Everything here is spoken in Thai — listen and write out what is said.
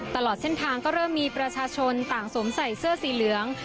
ตลอดเส้นทางก็เริ่มมีประชาชนต่างสวมใส่เสื้อสีเหลือง